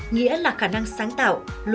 nghĩa là khả năng sáng tạo